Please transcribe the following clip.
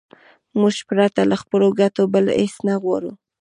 موږ پرته له خپلو ګټو بل هېڅ نه غواړو.